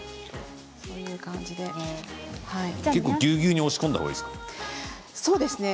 結構ぎゅうぎゅうに押し込んだ方そうですね。